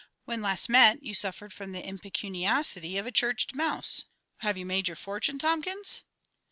When last met, you suffered from the impecuniosity of a churched mouse. Have you made your fortune, TOMKINS?